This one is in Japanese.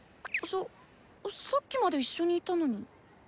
ささっきまで一緒にいたのに。